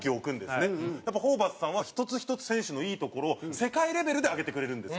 やっぱホーバスさんは１つ１つ選手のいいところを世界レベルで上げてくれるんです。